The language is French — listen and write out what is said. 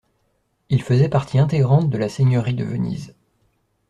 Il faisait partie intégrante de la Seigneurie de Venise.